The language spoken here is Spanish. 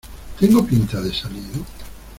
¿ tengo pinta de salido?